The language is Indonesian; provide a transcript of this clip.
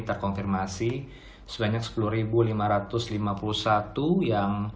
terkonfirmasi sebanyak sepuluh lima ratus lima puluh satu yang